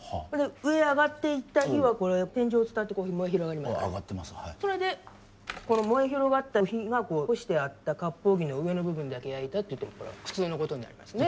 上へ上がっていった火は天井を伝って燃え広がりますからそれでこの燃え広がった火が干してあった割烹着の上の部分だけ焼いたっていっても普通のことになりますね